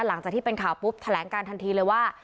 หลังจากที่เป็นข่าวปุ๊บแถลงการทันทีเลยว่า